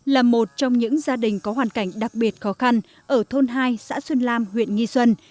là một trong những gia đình có hoàn cảnh đặc biệt khó khăn ở thôn hai xã xuân lam huyện nghi xuân